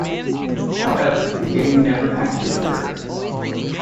However, the game never actually occurred.